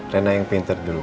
rena yang pintar dulu